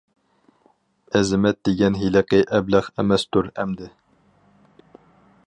ئەزىمەت دېگەن ھېلىقى ئەبلەخ ئەمەستۇر ئەمدى؟ !